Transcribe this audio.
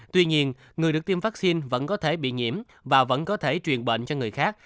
tuy nhiên người được tiêm vaccine vẫn có thể bị nhiễm và vẫn có thể truyền bệnh cho người khác